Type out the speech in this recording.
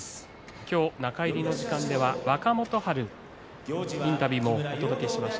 今日は中入りの時間に若元春のインタビューをお届けしました。